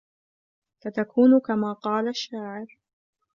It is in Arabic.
فَتَكُونُ كَمَا قَالَ الشَّاعِرُ